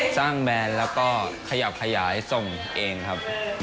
แบรนด์แล้วก็ขยับขยายส่งเองครับ